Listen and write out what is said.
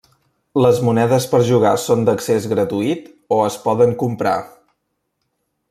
Les monedes per jugar són d'accés gratuït o es poden comprar.